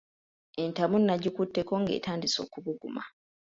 Entamu nagikutteko ng’etandise okubuguma.